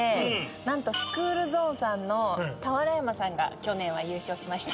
何とスクールゾーンさんの俵山さんが去年は優勝しました。